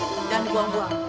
jangan di buang buang